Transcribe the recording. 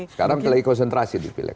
sekarang lagi konsentrasi di pileg